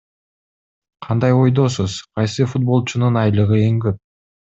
Кандай ойдосуз, кайсы футболчунун айлыгы эң көп?